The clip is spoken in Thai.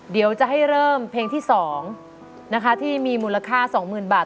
เดี๋ยวจะให้เริ่มเพลงที่๒นะคะที่มีมูลค่า๒๐๐๐บาท